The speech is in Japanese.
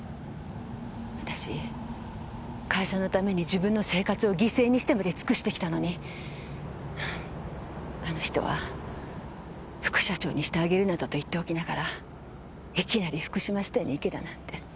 私会社のために自分の生活を犠牲にしてまで尽くしてきたのにあの人は副社長にしてあげるなどと言っておきながらいきなり福島支店に行けだなんて。